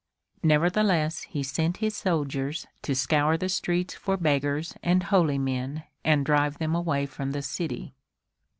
Nevertheless he sent his soldiers to scour the streets for beggars and holy men and drive them away from the city.